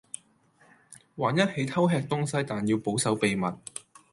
還一起偷吃東西但要保守秘密